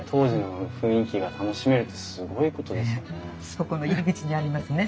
そこの入り口にありますね